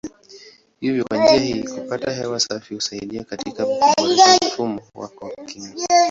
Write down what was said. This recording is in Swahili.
Hivyo kwa njia hii kupata hewa safi husaidia katika kuboresha mfumo wako wa kinga.